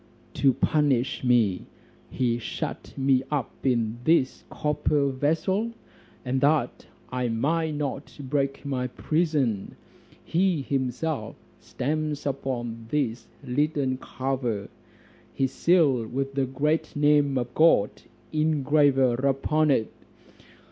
To punish me, he shut me up in this copper vessel; and that I might not break my prison, he himself stamps upon this leaden cover, his seal with the great name of God engraver upon it.